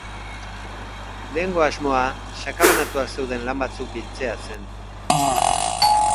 Lehengo asmoa sakabanatuak zeuden lan batzuk biltzea zen.